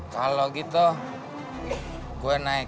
kalau gitu gue naik